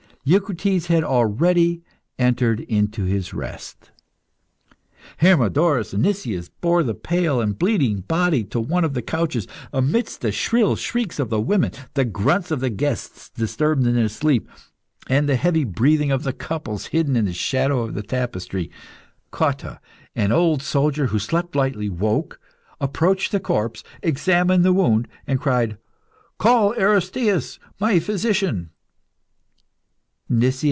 Eucrites had already entered into his rest. Hermodorus and Nicias bore the pale and bleeding body to one of the couches, amidst the shrill shrieks of the women, the grunts of the guests disturbed in their sleep, and the heavy breathing of the couples hidden in the shadow of the tapestry. Cotta, an old soldier, who slept lightly, woke, approached the corpse, examined the wound, and cried "Call Aristaeus, my physician!"